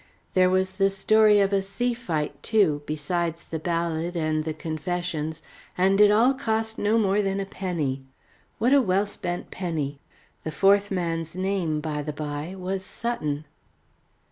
There was the story of a sea fight, too, besides the ballad and the confessions and it all cost no more than a penny. What a well spent penny! The fourth man's name, by the bye, was Sutton.